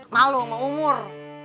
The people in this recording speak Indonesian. malu sama umur